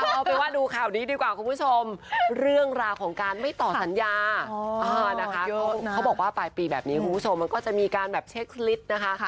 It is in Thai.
เอาเป็นว่าดูข่าวนี้ดีกว่าคุณผู้ชมเรื่องราวของการไม่ต่อสัญญานะคะเขาบอกว่าปลายปีแบบนี้คุณผู้ชมมันก็จะมีการแบบเช็คลิตรนะคะ